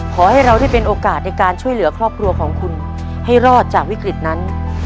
ขอให้เราได้เป็นโอกาสในการช่วยเหลือครอบครัวของคุณให้รอดจากวิกฤตนั้น